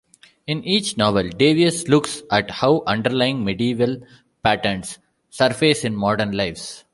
In each novel, Davies looks at how underlying medieval patterns surface in modern lives.